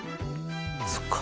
そっか。